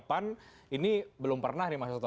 pan ini belum pernah nih mas toto